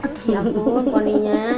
ya ampun poninya